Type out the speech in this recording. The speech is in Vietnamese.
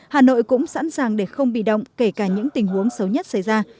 hà nội cũng sẵn sàng để không bị động kể cả những tình huống xấu nhất xảy ra